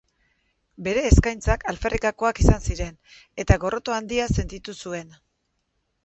Bere eskaintzak alferrikakoak izan ziren, eta gorroto handia sentitu zuen.